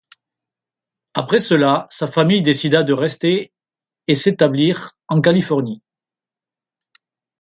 Après cela, sa famille décida de rester et s'établir en Californie.